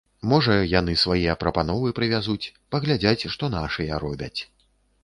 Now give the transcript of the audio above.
Можа, яны свае прапановы прывязуць, паглядзяць, што нашыя робяць.